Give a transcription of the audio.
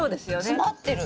詰まってる。